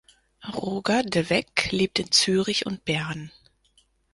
Roger de Weck lebt in Zürich und Bern.